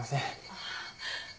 ああ。